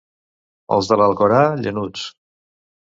Els de l'Alcora, llanuts.